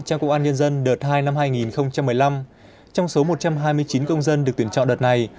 trang công an nhân dân đợt hai năm hai nghìn một mươi năm trong số một trăm hai mươi chín công dân được tuyển chọn đợt này